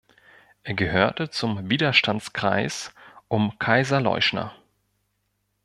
Er gehörte zum Widerstandskreis um Kaiser-Leuschner.